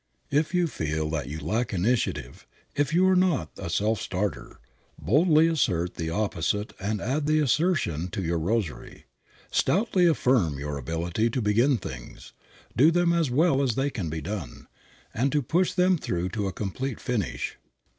If you feel that you lack initiative, if you are not a self starter, boldly assert the opposite and add the assertion to your rosary. Stoutly affirm your ability to begin things, to do them as well as they can be done, and to push them through to a complete finish.